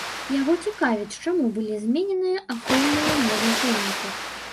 Яго цікавіць, чаму былі змененыя ахоўныя межы помніка.